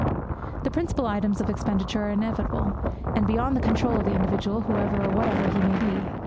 The principal items of expenditure are inevitable, and beyond the control of the individual, whoever or whatever he may be.